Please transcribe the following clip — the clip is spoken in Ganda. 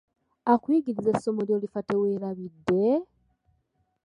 Akuyigirizza essomo ly'olifa teweerabidde!